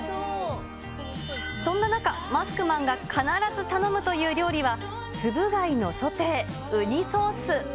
そんな中、マスクマンが必ず頼むという料理は、つぶ貝のソテーうにソース。